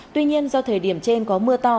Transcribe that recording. tuy nhiên do thời điểm trên có mưa to